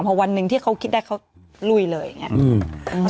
พอวันหนึ่งที่เขาคิดได้เขาลุยเลยอย่างนี้